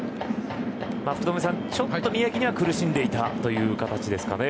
福留さん、ちょっと宮城には苦しんでいたという形ですかね。